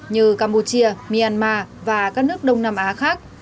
như campuchia myanmar và các nước đông nam á khác